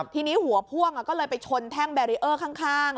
ทีนี้หัวพ่วงก็เลยไปชนแท่งแบรีเออร์ข้าง